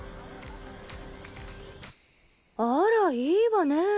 あらいいわねぇ。